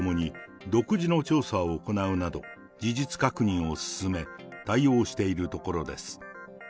本学では、警察への協力とともに独自の調査を行うなど、事実確認を進め、対応しているところです。